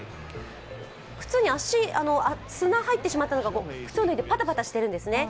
靴に砂が入ってしまったのか靴を脱いでパタパタしてるんですね。